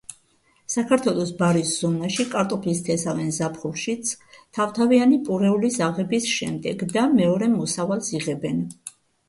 საქართველოს ბარის ზონაში კარტოფილს თესავენ ზაფხულშიც, თავთავიანი პურეულის აღების შემდეგ და მეორე მოსავალს იღებენ.